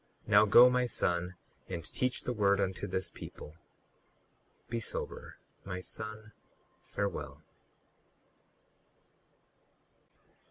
Now go, my son, and teach the word unto this people. Be sober. My son, farewell.